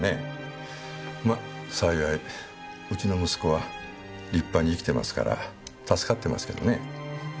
ま幸いうちの息子は立派に生きてますから助かってますけどね。